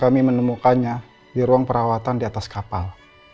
kami menemukannya di ruang perawatan di atas kapal